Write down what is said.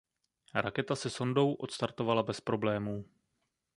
Raketa se sondou odstartovala bez problémů.